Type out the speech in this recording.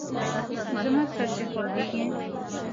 زما سبزي خوښیږي.